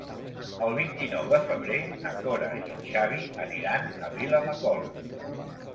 El vint-i-nou de febrer na Cora i en Xavi aniran a Vilamacolum.